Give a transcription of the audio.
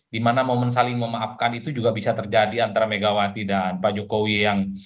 dimana momen saling memaafkan itu juga bisa terjadi antara megawati dan pak jokowi yang